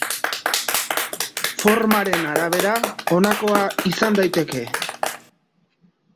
Formaren arabera honakoa izan daiteke.